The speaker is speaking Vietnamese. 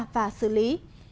phá xử lý